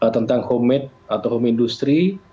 tentang homemade atau home industry